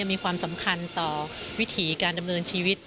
มีความสำคัญต่อวิถีการดำเนินชีวิต